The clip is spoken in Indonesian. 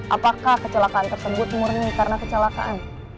apakah kecelakaan tersebut murni karena kecelakaan